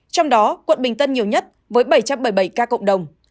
trong đó quận bình tân nhiều nhất với bảy trăm bảy mươi bảy ca cộng đồng